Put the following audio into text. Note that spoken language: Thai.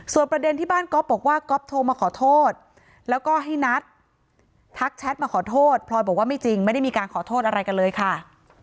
ประเด็นที่บ้านก๊อฟบอกว่าก๊อฟโทรมาขอโทษแล้วก็ให้นัททักแชทมาขอโทษพลอยบอกว่าไม่จริงไม่ได้มีการขอโทษอะไรกันเลยค่ะ